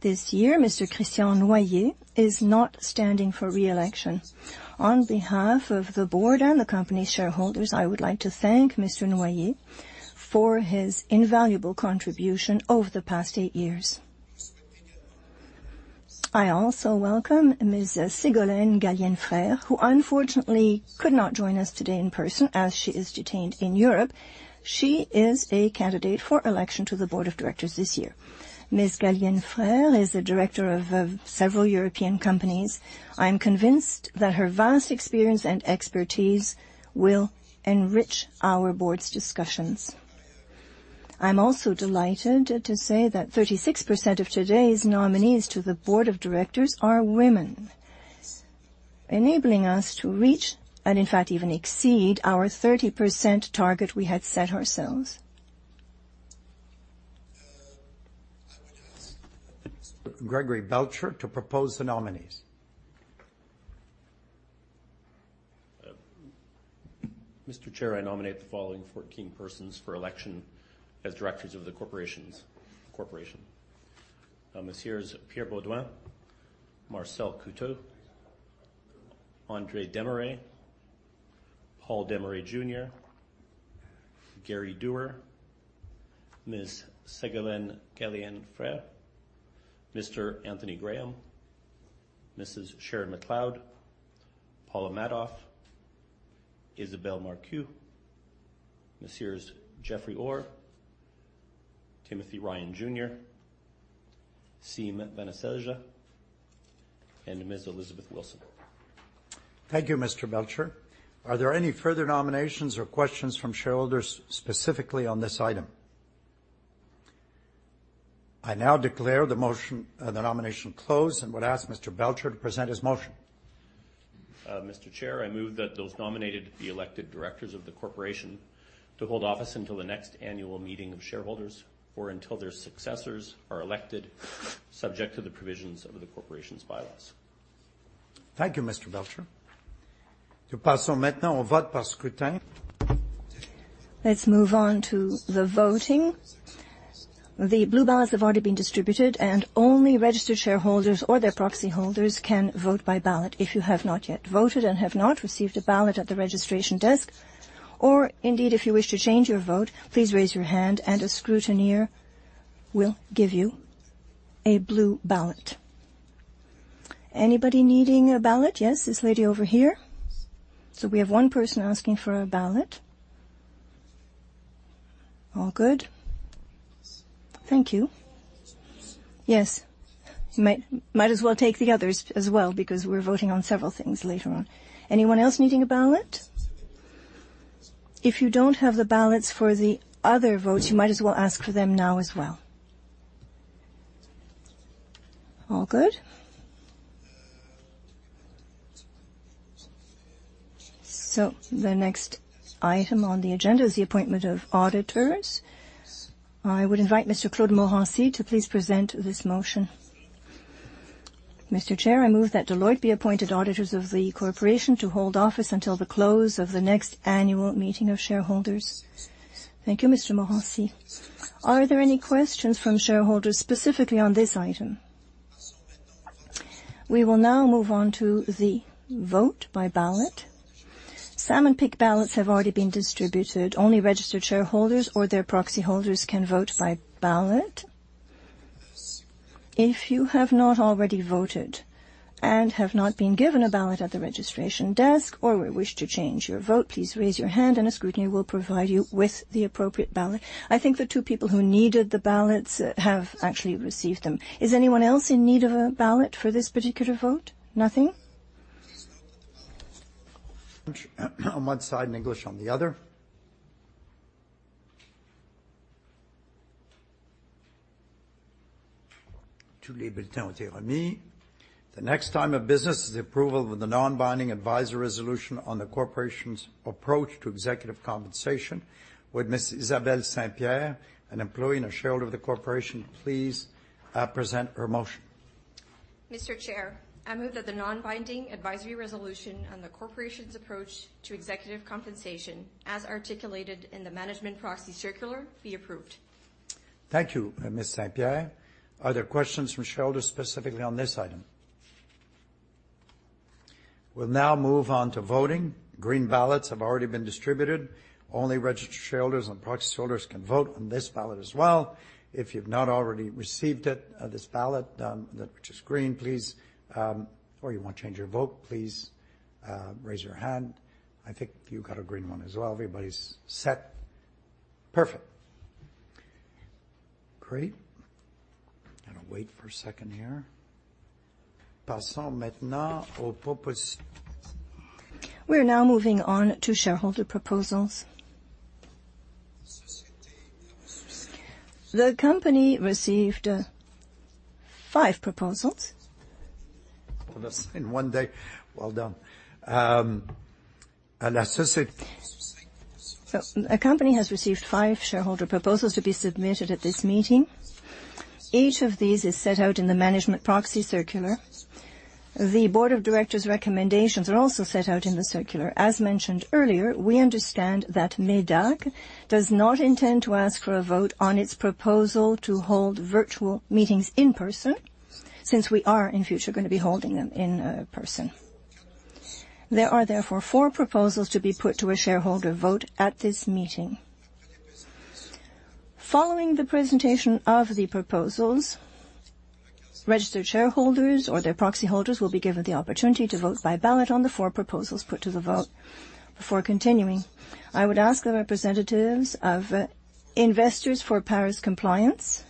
This year, Mr. Christian Noyer is not standing for re-election. On behalf of the board and the company's shareholders, I would like to thank Mr. Noyer for his invaluable contribution over the past eight years. I also welcome Ms. Ségolène Gallienne, who unfortunately could not join us today in person as she is detained in Europe. She is a candidate for election to the board of directors this year. Ms. Gallienne is a director of several European companies. I'm convinced that her vast experience and expertise will enrich our board's discussions. I'm also delighted to say that 36% of today's nominees to the board of directors are women, enabling us to reach and, in fact, even exceed our 30% target we had set ourselves. I would ask Mr. Gregory Belton to propose the nominees. Mr. Chair, I nominate the following 14 persons for election as directors of the Corporation. Mr. Pierre Beaudoin, Marcel Coutu, André Desmarais, Paul Desmarais, Jr., Gary Doer, Ms. Ségolène Gallienne, Mr. Anthony Graham, Mrs. Sharon MacLeod, Paula Madoff, Isabelle Marcoux, Mr. Jeffrey Orr, Timothy Ryan, Siim Vanaselja, and Ms. Elizabeth Wilson. Thank you, Mr. Belton. Are there any further nominations or questions from shareholders specifically on this item? I now declare the nomination closed and would ask Mr. Belton to present his motion. Mr. Chair, I move that those nominated be elected directors of the corporation to hold office until the next annual meeting of shareholders or until their successors are elected, subject to the provisions of the corporation's bylaws. Thank you, Mr. Belton. Je passe maintenant au vote par scrutin. Let's move on to the voting. The blue ballots have already been distributed, and only registered shareholders or their proxy holders can vote by ballot if you have not yet voted and have not received a ballot at the registration desk. Or indeed, if you wish to change your vote, please raise your hand, and a scrutineer will give you a blue ballot. Anybody needing a ballot? Yes, this lady over here. So we have one person asking for a ballot. All good? Thank you. Yes. You might, might as well take the others as well because we're voting on several things later on. Anyone else needing a ballot? If you don't have the ballots for the other votes, you might as well ask for them now as well. All good? So the next item on the agenda is the appointment of auditors. I would invite Mr. Claude Morency, please present this motion. Mr. Chair, I move that Deloitte be appointed auditors of the corporation to hold office until the close of the next annual meeting of shareholders. Thank you, Mr. Morency. Are there any questions from shareholders specifically on this item? We will now move on to the vote by ballot. Salmon-pink ballots have already been distributed. Only registered shareholders or their proxy holders can vote by ballot. If you have not already voted and have not been given a ballot at the registration desk or wish to change your vote, please raise your hand, and a scrutineer will provide you with the appropriate ballot. I think the two people who needed the ballots have actually received them. Is anyone else in need of a ballot for this particular vote? Nothing? On one side and English on the other. Tous les bulletins ont été remis. The next item of business is the approval of the non-binding advisory resolution on the corporation's approach to executive compensation. Would Ms. Isabelle Saint-Pierre, an employee and a shareholder of the corporation, please present her motion? Mr. Chair, I move that the non-binding advisory resolution on the corporation's approach to executive compensation, as articulated in the management proxy circular, be approved. Thank you, Ms. Saint-Pierre. Are there questions from shareholders specifically on this item? We'll now move on to voting. Green ballots have already been distributed. Only registered shareholders and proxy holders can vote on this ballot as well. If you've not already received it, this ballot, that which is green, please, or you want to change your vote, please, raise your hand. I think you got a green one as well. Everybody's set. Perfect. Great. Gotta wait for a second here. Passons maintenant au proposi. We are now moving on to shareholder proposals. The company received five proposals. For the same one day. Well done. La société. So the company has received five shareholder proposals to be submitted at this meeting. Each of these is set out in the management proxy circular. The board of directors' recommendations are also set out in the circular. As mentioned earlier, we understand that MEDAC does not intend to ask for a vote on its proposal to hold virtual meetings in person since we are, in future, gonna be holding them in, person. There are therefore four proposals to be put to a shareholder vote at this meeting. Following the presentation of the proposals, registered shareholders or their proxy holders will be given the opportunity to vote by ballot on the four proposals put to the vote. Before continuing, I would ask the representatives of, Investors for Paris Compliance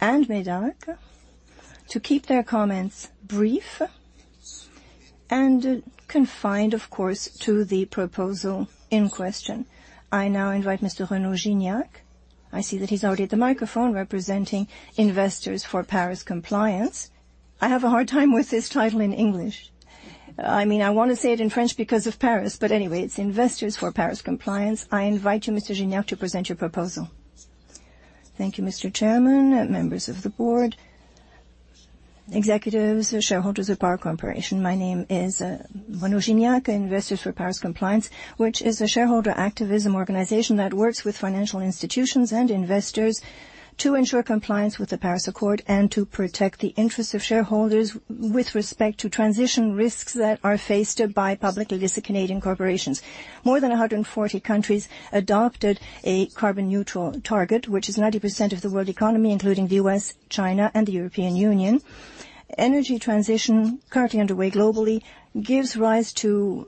and MEDAC to keep their comments brief and, confined, of course, to the proposal in question. I now invite Mr. Renaud Gignac. I see that he's already at the microphone representing Investors for Paris Compliance. I have a hard time with this title in English. I mean, I wanna say it in French because of Paris, but anyway, it's Investors for Paris Compliance. I invite you, Mr. Gignac, to present your proposal. Thank you, Mr. Chairman, members of the board, executives, shareholders of Power Corporation. My name is Renaud Gignac, Investors for Paris Compliance, which is a shareholder activism organization that works with financial institutions and investors to ensure compliance with the Paris Accord and to protect the interests of shareholders with respect to transition risks that are faced by publicly listed Canadian corporations. More than 140 countries adopted a carbon-neutral target, which is 90% of the world economy, including the U.S., China, and the European Union. Energy transition, currently underway globally, gives rise to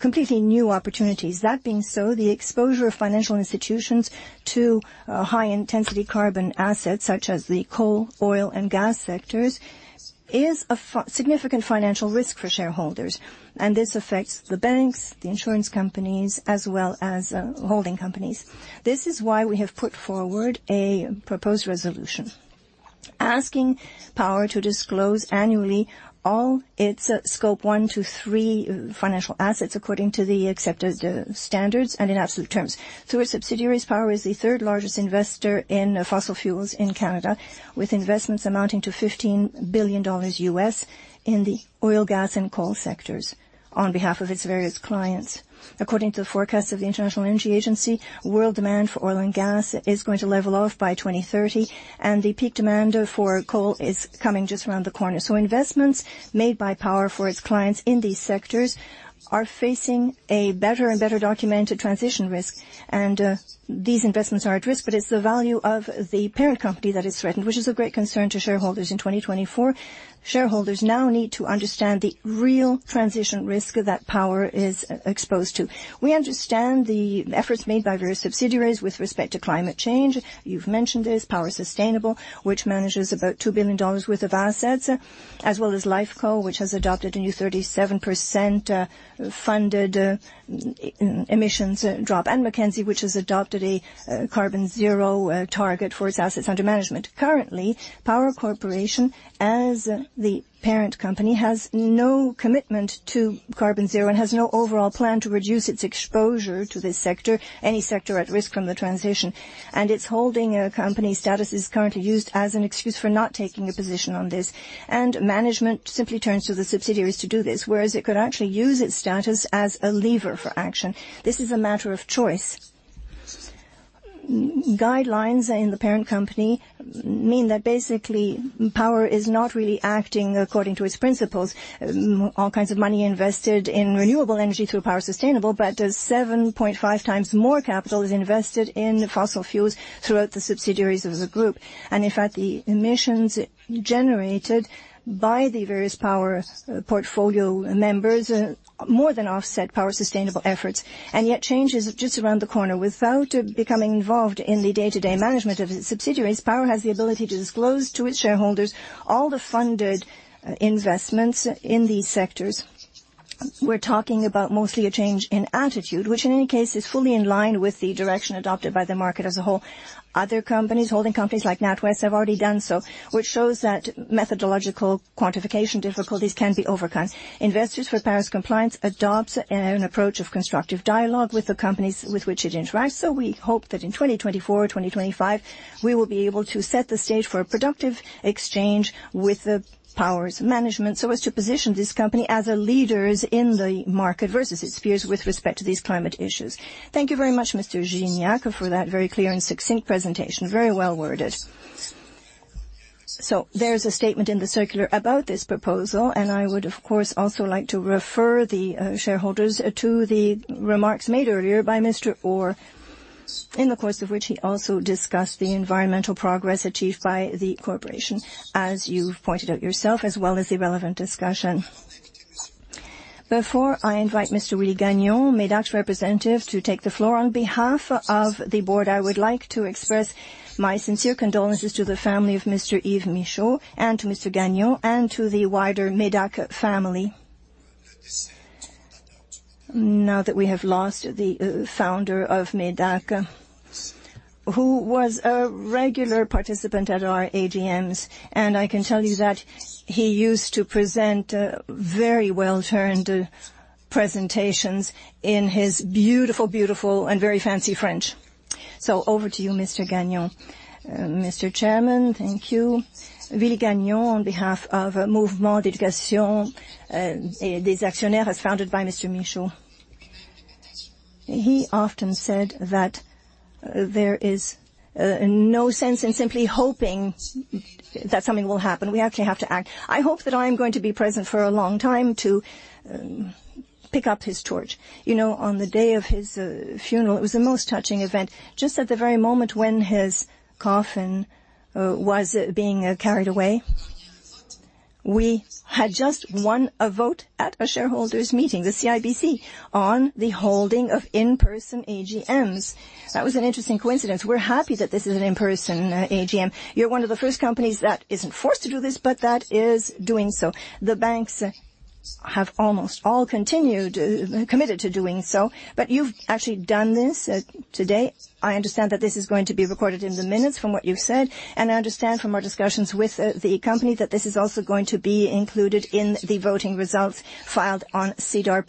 completely new opportunities. That being so, the exposure of financial institutions to high-intensity carbon assets such as the coal, oil, and gas sectors is a significant financial risk for shareholders, and this affects the banks, the insurance companies, as well as holding companies. This is why we have put forward a proposed resolution asking Power to disclose annually all its Scope 1 to 3 financial assets according to the accepted standards, and in absolute terms. Through its subsidiaries, Power is the third-largest investor in fossil fuels in Canada, with investments amounting to $15 billion in the oil, gas, and coal sectors on behalf of its various clients. According to the forecasts of the International Energy Agency, world demand for oil and gas is going to level off by 2030, and the peak demand for coal is coming just around the corner. So investments made by Power for its clients in these sectors are facing a better and better documented transition risk, and these investments are at risk, but it's the value of the parent company that is threatened, which is a great concern to shareholders in 2024. Shareholders now need to understand the real transition risk that Power is exposed to. We understand the efforts made by various subsidiaries with respect to climate change. You've mentioned this. Power Sustainable, which manages about 2 billion dollars worth of assets, as well as Lifeco, which has adopted a new 37% funded emissions drop, and Mackenzie, which has adopted a carbon zero target for its assets under management. Currently, Power Corporation, as the parent company, has no commitment to carbon zero and has no overall plan to reduce its exposure to this sector, any sector at risk from the transition. And its holding company status is currently used as an excuse for not taking a position on this, and management simply turns to the subsidiaries to do this, whereas it could actually use its status as a lever for action. This is a matter of choice. Guidelines in the parent company mean that basically, Power is not really acting according to its principles. All kinds of money invested in renewable energy through Power Sustainable, but 7.5 times more capital is invested in fossil fuels throughout the subsidiaries of the group. And in fact, the emissions generated by the various Power portfolio members more than offset Power Sustainable efforts. And yet, change is just around the corner. Without becoming involved in the day-to-day management of its subsidiaries, Power has the ability to disclose to its shareholders all the funded investments in these sectors. We're talking about mostly a change in attitude, which in any case is fully in line with the direction adopted by the market as a whole. Other companies, holding companies like NatWest, have already done so, which shows that methodological quantification difficulties can be overcome. Investors for Paris Compliance adopts an approach of constructive dialogue with the companies with which it interacts. So we hope that in 2024, 2025, we will be able to set the stage for a productive exchange with Power's management so as to position this company as a leader in the market versus its peers with respect to these climate issues. Thank you very much, Mr. Gignac, for that very clear and succinct presentation. Very well worded. So there's a statement in the circular about this proposal, and I would, of course, also like to refer the shareholders to the remarks made earlier by Mr. Orr, in the course of which he also discussed the environmental progress achieved by the corporation, as you've pointed out yourself, as well as the relevant discussion. Before I invite Mr. Willie Gagnon, MEDAC's representative, to take the floor on behalf of the board, I would like to express my sincere condolences to the family of Mr. Yves Michaud and to Mr. Gagnon and to the wider MEDAC family. Now that we have lost the founder of MEDAC, who was a regular participant at our AGMs, and I can tell you that he used to present very well-turned presentations in his beautiful, beautiful, and very fancy French. So over to you, Mr. Gagnon. Mr. Chairman, thank you. Willie Gagnon, on behalf of Mouvement d'Éducation des Actionnaires, as founded by Mr. Michaud, he often said that there is no sense in simply hoping that something will happen. We actually have to act. I hope that I am going to be present for a long time to pick up his torch. You know, on the day of his funeral, it was the most touching event. Just at the very moment when his coffin was being carried away, we had just won a vote at a shareholders' meeting, the CIBC, on the holding of in-person AGMs. That was an interesting coincidence. We're happy that this is an in-person AGM. You're one of the first companies that isn't forced to do this, but that is doing so. The banks have almost all continued committed to doing so, but you've actually done this today. I understand that this is going to be recorded in the minutes from what you've said, and I understand from our discussions with the company that this is also going to be included in the voting results filed on SEDAR+.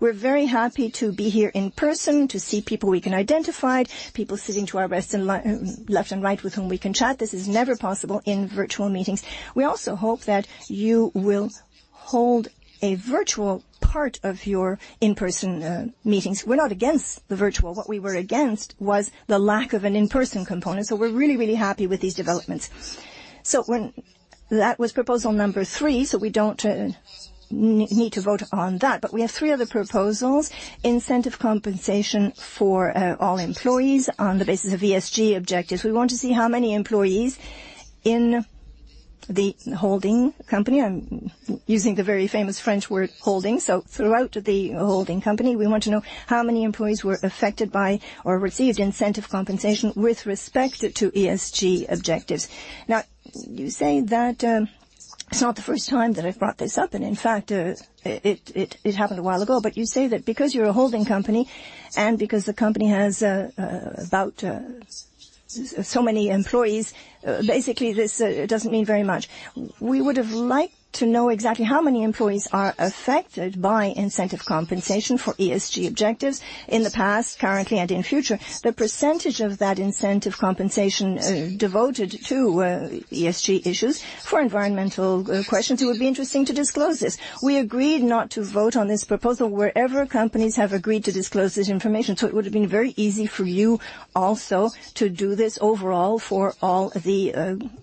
We're very happy to be here in person, to see people we can identify, people sitting to our left and right with whom we can chat. This is never possible in virtual meetings. We also hope that you will hold a virtual part of your in-person meetings. We're not against the virtual. What we were against was the lack of an in-person component, so we're really, really happy with these developments. So when that was proposal number three, so we don't need to vote on that, but we have three other proposals: incentive compensation for all employees on the basis of ESG objectives. We want to see how many employees in the holding company. I'm using the very famous French word holding, so throughout the holding company, we want to know how many employees were affected by or received incentive compensation with respect to ESG objectives. Now, you say that, it's not the first time that I've brought this up, and in fact, it happened a while ago, but you say that because you're a holding company and because the company has about so many employees, basically, this doesn't mean very much. We would have liked to know exactly how many employees are affected by incentive compensation for ESG objectives in the past, currently, and in future, the percentage of that incentive compensation devoted to ESG issues for environmental questions. It would be interesting to disclose this. We agreed not to vote on this proposal wherever companies have agreed to disclose this information, so it would have been very easy for you also to do this overall for all the group companies.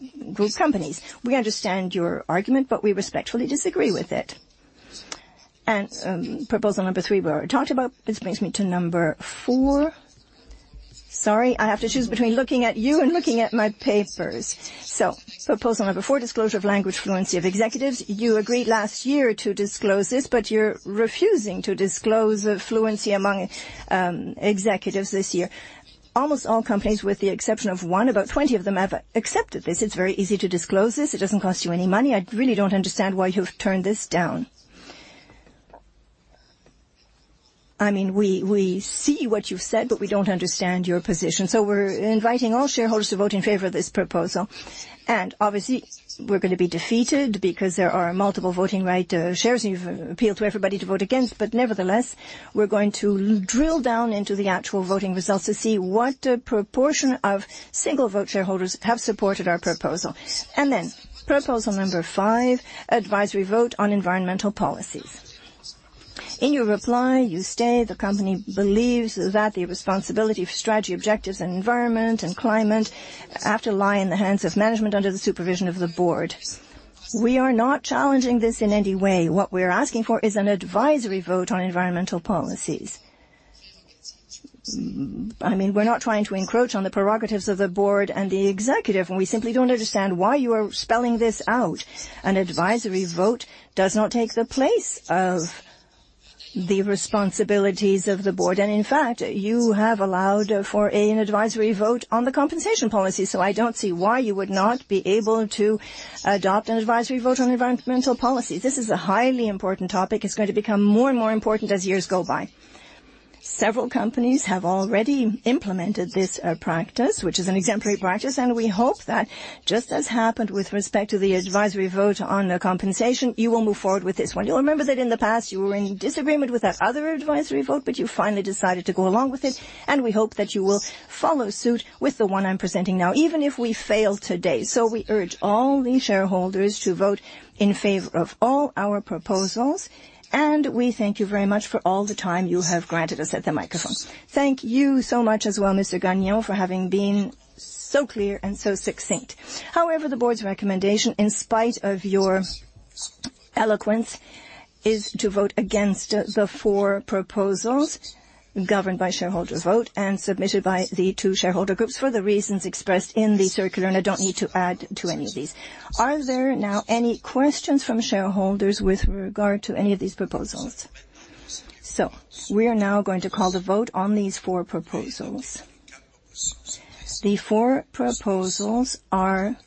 We understand your argument, but we respectfully disagree with it. Proposal number three, we already talked about. This brings me to number four. Sorry. I have to choose between looking at you and looking at my papers. So proposal number four, disclosure of language fluency of executives. You agreed last year to disclose this, but you're refusing to disclose fluency among executives this year. Almost all companies, with the exception of one, about 20 of them have accepted this. It's very easy to disclose this. It doesn't cost you any money. I really don't understand why you've turned this down. I mean, we see what you've said, but we don't understand your position. So we're inviting all shareholders to vote in favor of this proposal. And obviously, we're gonna be defeated because there are multiple voting-right shares, and you've appealed to everybody to vote against, but nevertheless, we're going to drill down into the actual voting results to see what proportion of single-vote shareholders have supported our proposal. And then proposal number five, advisory vote on environmental policies. In your reply, you say the company believes that the responsibility for strategy objectives in environment and climate have to lie in the hands of management under the supervision of the board. We are not challenging this in any way. What we're asking for is an advisory vote on environmental policies. I mean, we're not trying to encroach on the prerogatives of the board and the executive, and we simply don't understand why you are spelling this out. An advisory vote does not take the place of the responsibilities of the board. In fact, you have allowed for an advisory vote on the compensation policy, so I don't see why you would not be able to adopt an advisory vote on environmental policies. This is a highly important topic. It's going to become more and more important as years go by. Several companies have already implemented this practice, which is an exemplary practice, and we hope that, just as happened with respect to the advisory vote on compensation, you will move forward with this one. You'll remember that in the past, you were in disagreement with that other advisory vote, but you finally decided to go along with it, and we hope that you will follow suit with the one I'm presenting now, even if we fail today. So we urge all the shareholders to vote in favor of all our proposals, and we thank you very much for all the time you have granted us at the microphone. Thank you so much as well, Mr. Gagnon, for having been so clear and so succinct. However, the board's recommendation, in spite of your eloquence, is to vote against the four proposals governed by shareholders' vote and submitted by the two shareholder groups for the reasons expressed in the circular, and I don't need to add to any of these. Are there now any questions from shareholders with regard to any of these proposals? We are now going to call the vote on these four proposals. The four proposals are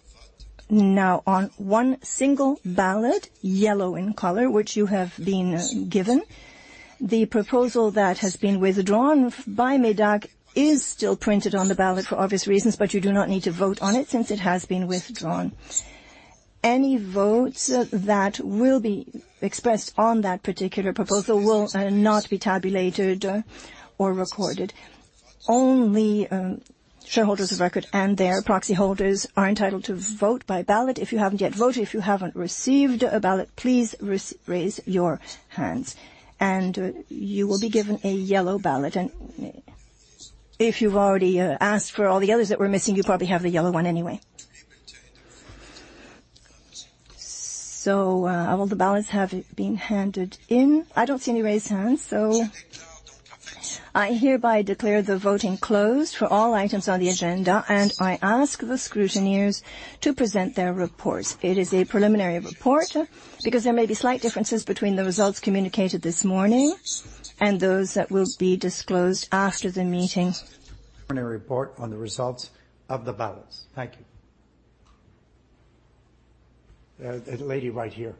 now on one single ballot, yellow in color, which you have been given. The proposal that has been withdrawn by MEDAC is still printed on the ballot for obvious reasons, but you do not need to vote on it since it has been withdrawn. Any votes that will be expressed on that particular proposal will not be tabulated or recorded. Only shareholders of record and their proxy holders are entitled to vote by ballot. If you haven't yet voted, if you haven't received a ballot, please raise your hands, and you will be given a yellow ballot. And if you've already asked for all the others that were missing, you probably have the yellow one anyway. So, have all the ballots been handed in? I don't see any raised hands, so I hereby declare the voting closed for all items on the agenda, and I ask the scrutineers to present their reports. It is a preliminary report because there may be slight differences between the results communicated this morning and those that will be disclosed after the meeting. Report on the results of the ballots. Thank you. That lady right here.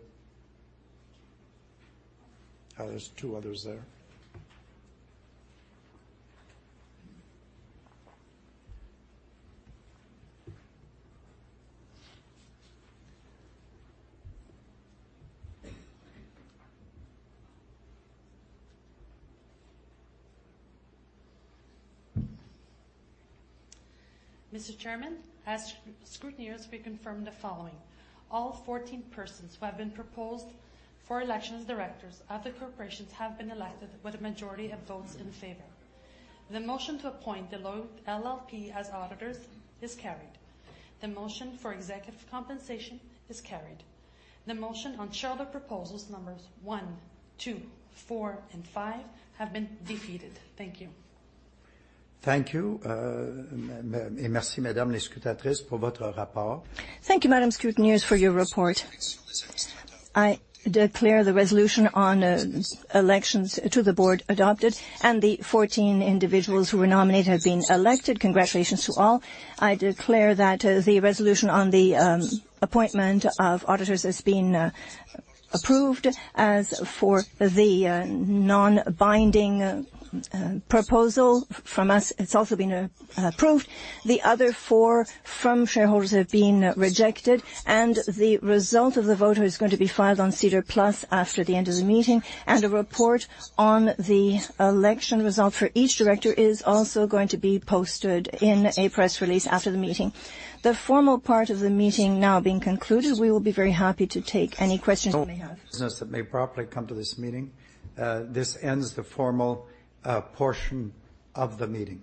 Oh, there's two others there. Mr. Chairman, ask scrutineers to reconfirm the following: all 14 persons who have been proposed for elections as directors of the corporations have been elected with a majority of votes in favor. The motion to appoint DeloitteLLP as auditors is carried. The motion for executive compensation is carried. The motion on shareholder proposals numbers one, two, three, four and five have been defeated. Thank you. Thank you. And merci, Madame la scrutinatrice, pour votre rapport. Thank you, Madame scrutineer, for your report. I declare the resolution on elections to the board adopted, and the 14 individuals who were nominated have been elected. Congratulations to all. I declare that the resolution on the appointment of auditors has been approved, as for the non-binding proposal from us. It's also been approved. The other four from shareholders have been rejected, and the result of the vote is going to be filed on SEDAR+ after the end of the meeting, and a report on the election result for each director is also going to be posted in a press release after the meeting. The formal part of the meeting now being concluded. We will be very happy to take any questions you may have. Business that may properly come to this meeting. This ends the formal portion of the meeting.